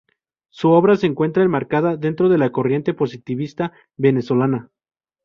Su obra se encuentra enmarcada dentro de la corriente positivista venezolana.